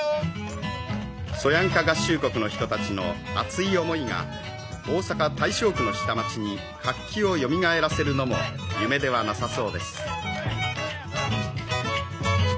「そやんか合衆国の人たちの熱い思いが大阪・大正区の下町に活気をよみがえらせるのも夢ではなさそうです」。